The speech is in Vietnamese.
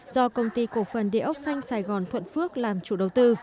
do công ty cổ phần địa ốc xanh sài gòn thuận phước làm chủ đầu tư